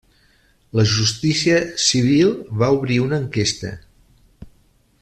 La justícia civil va obrir una enquesta.